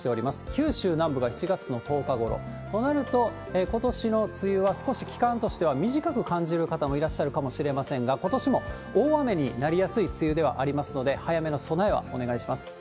九州南部が７月の１０日ごろ、となると、ことしの梅雨は少し期間としては短く感じる方もいらっしゃるかもしれませんが、ことしも大雨になりやすい梅雨ではありますので、早めの備えはお願いします。